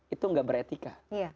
itu gak beretika